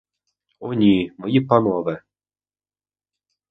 О ні, мої панове!